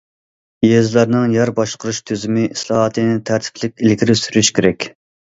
يېزىلارنىڭ يەر باشقۇرۇش تۈزۈمى ئىسلاھاتىنى تەرتىپلىك ئىلگىرى سۈرۈش كېرەك.